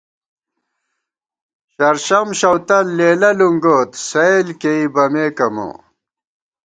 شرشم شؤتل لېلہ لُنگوت سیل کېئی بمېک امہ